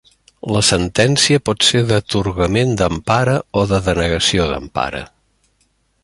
La sentència pot ser d'atorgament d'empara o de denegació d'empara.